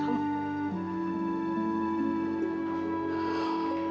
dewi nggak pantas mendapat perlakuan seperti ini